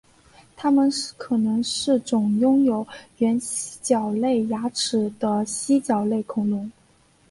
它们可能是种拥有原蜥脚类牙齿的蜥脚类恐龙。